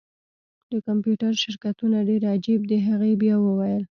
د کمپیوټر شرکتونه ډیر عجیب دي هغې بیا وویل